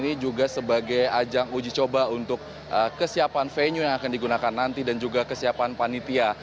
ini juga sebagai ajang uji coba untuk kesiapan venue yang akan digunakan nanti dan juga kesiapan panitia